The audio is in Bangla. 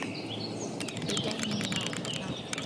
এটাই নিয়ে নাও!